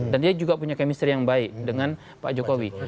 dan dia juga punya kemisteri yang baik dengan pak jokowi